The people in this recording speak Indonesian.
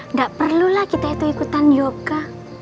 nggak perlulah kita itu ikutan yoga